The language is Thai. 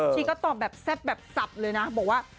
ชิคก็ตอบแบบแท็บแบบสับเลยนะ